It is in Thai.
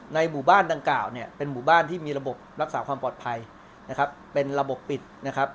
หมู่บ้านดังกล่าวเนี่ยเป็นหมู่บ้านที่มีระบบรักษาความปลอดภัยนะครับเป็นระบบปิดนะครับ